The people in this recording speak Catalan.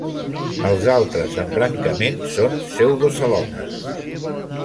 Els altres embrancaments són pseudocelomats.